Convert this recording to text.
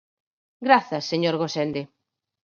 Grazas, señor Gosende.